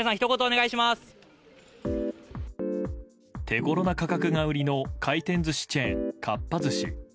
手ごろな価格が売りの回転寿司チェーン、かっぱ寿司。